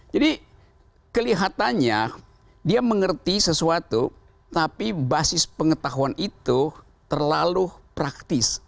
jadi kelihatannya dia mengerti sesuatu tapi basis pengetahuan itu terlalu praktis